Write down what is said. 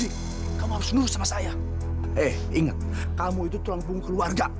ingat kamu itu tulang bunga keluarga